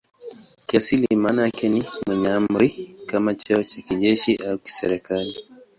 Kiasili maana yake ni "mwenye amri" kama cheo cha kijeshi au kiserikali.